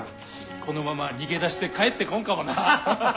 このまま逃げ出して帰ってこんかもな。